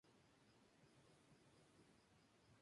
Fue hijo de Alfonso X y de Elvira Rodríguez de Villada.